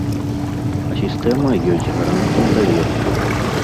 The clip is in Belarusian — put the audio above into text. А сістэма ёсць гарантам даверу.